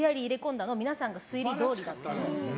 皆さんが推理どおりだったんですけど。